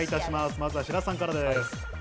まずは白洲さんからです。